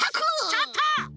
ちょっと！